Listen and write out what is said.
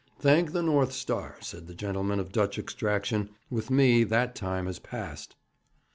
'Thank the North Star,' said the gentleman of Dutch extraction, 'with me that time has passed!'